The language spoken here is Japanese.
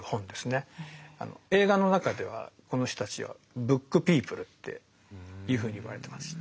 映画の中ではこの人たちは「ブックピープル」っていうふうに言われてます。